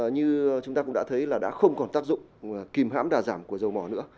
như chúng ta cũng đã thấy là đã không còn tác dụng kìm hãm đà giảm của dầu mỏ nữa